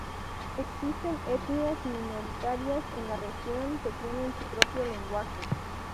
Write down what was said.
Existen etnias minoritarias en la región que tienen su propio lenguaje.